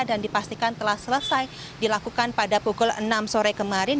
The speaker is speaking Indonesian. dan dipastikan telah selesai dilakukan pada pukul enam sore kemarin